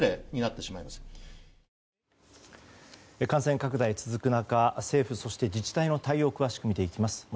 感染拡大が続く中政府そして自治体の対応詳しく見ていきます。